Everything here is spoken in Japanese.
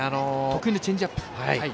得意のチェンジアップ。